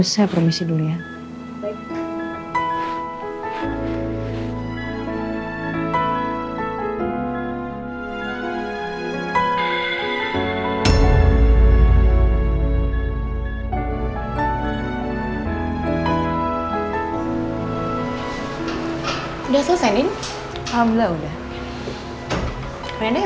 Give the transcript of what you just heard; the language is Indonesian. kalau tidak aku akan ambil tolong